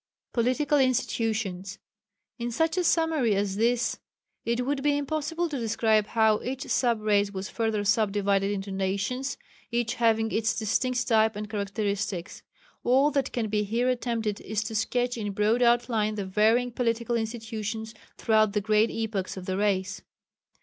Political Institutions. In such a summary as this it would be impossible to describe how each sub race was further sub divided into nations, each having its distinct type and characteristics. All that can be here attempted is to sketch in broad outline the varying political institutions throughout the great epochs of the race.